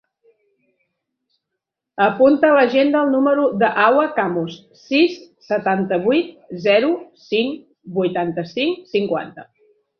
Apunta a l'agenda el número de la Hawa Camus: sis, setanta-vuit, zero, cinc, vuitanta-cinc, cinquanta.